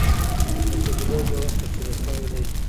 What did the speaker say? د قبيلو جوړښت تشريح سوی دی.